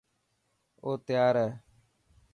او تيار هي.